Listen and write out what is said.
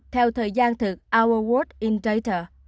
theo thời gian thực our world in data